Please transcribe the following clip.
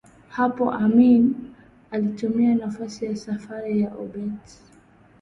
Hapo Amin alitumia nafasi ya safari ya Obote